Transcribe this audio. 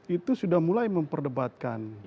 itu sudah mulai memperdebatkan